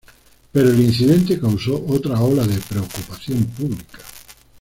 Pero el incidente causó otra ola de preocupación pública.